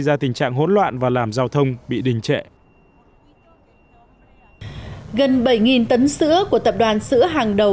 ra tình trạng hỗn loạn và làm giao thông bị đình trệ gần bảy tấn sữa của tập đoàn sữa hàng đầu